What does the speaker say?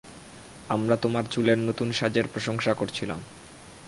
আমরা তোমার চুলের নতুন সাজের প্রশংসা করছিলাম।